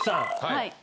はい。